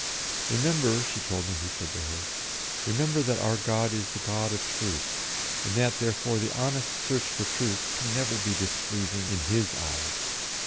"Remember," she told me he said to her "remember that our God is the God of truth, and that therefore the honest search for truth can never be displeasing in His eyes."